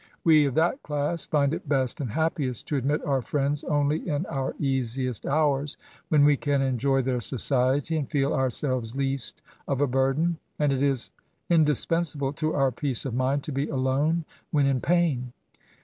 We, of that class, find it best and happiest to admit our friends only in our easiest hours, when we can enjoy their society, and feel ourselves least of a burden ; and it is indispensable to our peace of mind to be alone when in pain.